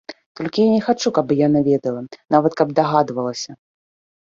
Толькі я не хачу, каб яна ведала, нават каб дагадвалася.